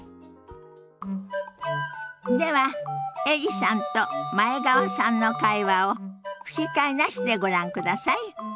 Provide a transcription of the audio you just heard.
ではエリさんと前川さんの会話を吹き替えなしでご覧ください。